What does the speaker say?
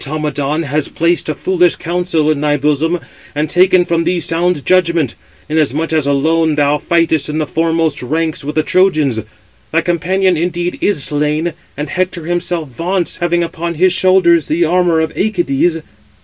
"Which of the gods, O Automedon, has placed a foolish counsel in thy bosom, and taken from thee sound judgment; inasmuch as alone thou fightest in the foremost ranks with the Trojans? Thy companion indeed is slain; and Hector himself vaunts, having upon his shoulders the armour of Æacides."